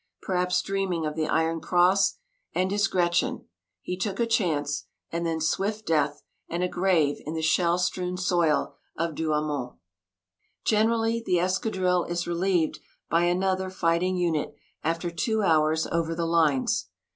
Perhaps, dreaming of the Iron Cross and his Gretchen, he took a chance and then swift death and a grave in the shell strewn soil of Douaumont. Generally the escadrille is relieved by another fighting unit after two hours over the lines.